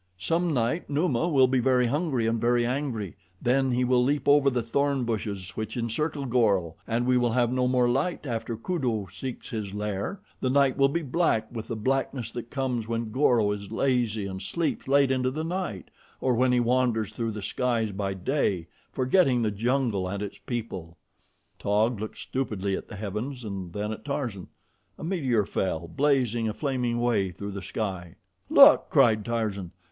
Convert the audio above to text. Some night Numa will be very hungry and very angry then he will leap over the thorn bushes which encircle Goro and we will have no more light after Kudu seeks his lair the night will be black with the blackness that comes when Goro is lazy and sleeps late into the night, or when he wanders through the skies by day, forgetting the jungle and its people." Taug looked stupidly at the heavens and then at Tarzan. A meteor fell, blazing a flaming way through the sky. "Look!" cried Tarzan.